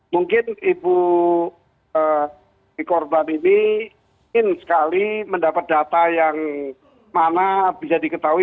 mungkin ibu si korban ini ingin sekali mendapat data yang mana bisa diketahui